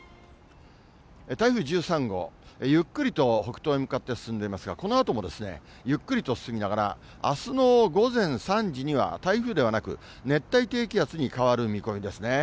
台風１３号、ゆっくりと北東へ向かって進んでいますが、このあともゆっくりと進みながら、あすの午前３時には、台風ではなく、熱帯低気圧に変わる見込みですね。